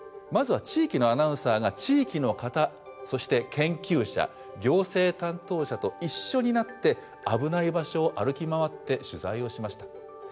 まずは地域のアナウンサーが地域の方そして研究者行政担当者と一緒になって危ない場所を歩き回って取材をしました。